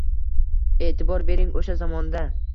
E’tibor bering, o‘sha zamonda!